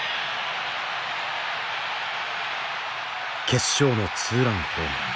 決勝のツーランホームラン。